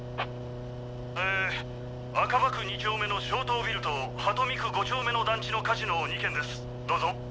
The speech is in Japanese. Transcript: え赤葉区２丁目の湘東ビルと鳩見区５丁目の団地の火事の２件ですどうぞ。